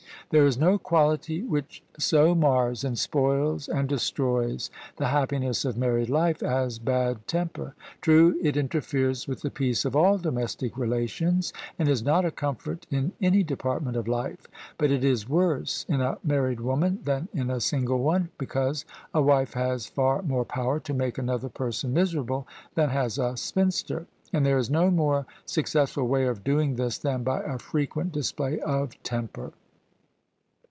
There is no quality which so mars and spoils and destroys the happiness of married life as bad temper. True, it interferes with the peace of all domes tic relations, and is not a comfort in any department of life: but it is worse in a married woman than in a single one, because a wife has far more power to make another person miserable than has a spinster — ^and there is no more success ful way of doing this than by a frequent display of temper.